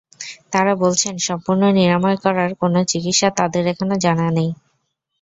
তাঁরা বলছেন, সম্পূর্ণ নিরাময় করার কোনো চিকিৎসা তাঁদের এখনো জানা নেই।